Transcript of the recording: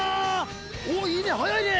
おぉいいね。